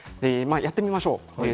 やってみましょう。